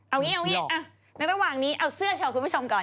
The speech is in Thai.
เอาอย่างนี้ระหว่างนี้เอาเสื้อเฉาะคุณผู้ชมก่อน